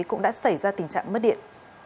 cũng đã xảy ra tình trạng mất điện